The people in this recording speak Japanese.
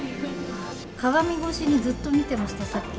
鏡越しにずっと見てました、さっき。